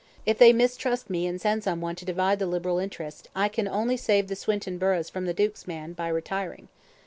If they mistrust me and send some one to divide the Liberal interest, I can only save the Swinton burghs from the duke's man, by retiring."